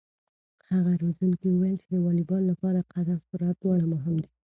هغه روزونکی وویل چې د واليبال لپاره قد او سرعت دواړه مهم دي.